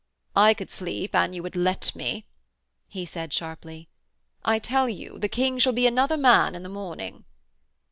'I could sleep an you would let me,' he said sharply. 'I tell you the King shall be another man in the morning.'